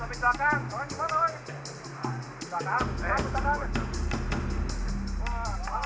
waduh penumpangnya nih